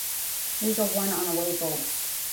Riga won on away goals.